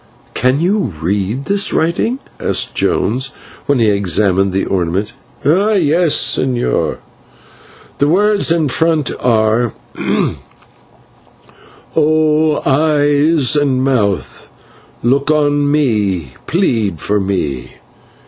"Can you read this writing?" asked Jones, when he had examined the ornament. "Yes, señor. The words in front are: 'O Eyes and Mouth, look on me, plead for me.'